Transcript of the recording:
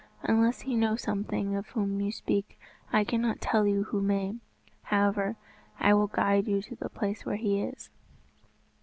Unless he know something of him whom you seek, I cannot tell you who may. However, I will guide you to the place where he is."